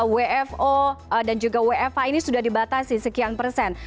wfo dan juga wfa ini sudah dibatasi sekian persen